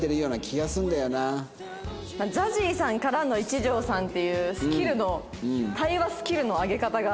ＺＡＺＹさんからの一条さんっていうスキルの対話スキルの上げ方が。